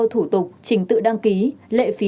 thủ tục trình tự đăng ký lệ phí